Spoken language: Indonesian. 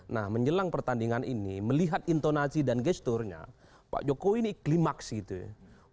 nah menjelang pertandingan ini melihat intonasi dan gesturnya pak jokowi ini klimaks gitu ya